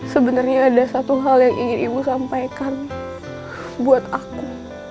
sebenarnya ada satu hal yang ingin ibu sampaikan buat aku